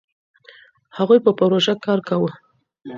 هغوی په پروژه کار کاوه.